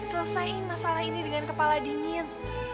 selesaikan masalah ini dengan kepala dingin